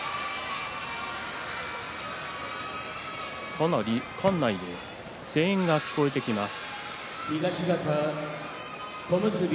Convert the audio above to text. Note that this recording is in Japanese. かなり館内で声援が聞こえてきます。